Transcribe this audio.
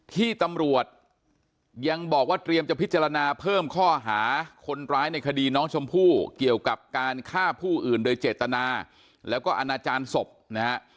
ที่ตำรวจยังบอกว่าเตรียมจะพิจารณาเพิ่มข้อหาคนร้ายในคดีน้องชมพู่เกี่ยวกับการฆ่าผู้อื่นโดยเจตนาแล้วก็อนาจารย์ศพนะฮะ